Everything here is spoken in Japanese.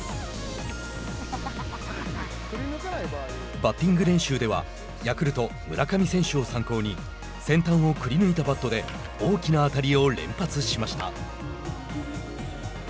バッティング練習ではヤクルト村上選手を参考に先端をくりぬいたバットで大きな当たりを連発しました。